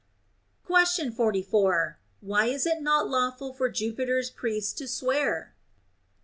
Question 44. Why is it not lawful for Jupiter's priests to swear?